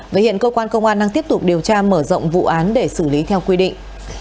và hiện cơ quan công an đang tiếp tục điều tra mở rộng vụ án để xử lý theo quy định